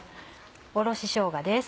おろししょうがです。